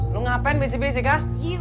lo ngapain bisik bisik ah